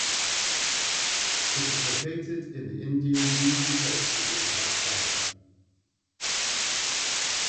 It is located in the Indian Union Territory of Lakshadweep.